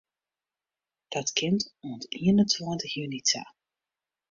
Dat kin oant ien en tweintich juny ta.